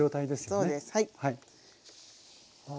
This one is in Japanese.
そうですはい。